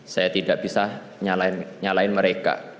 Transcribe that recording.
saya tidak bisa nyalain mereka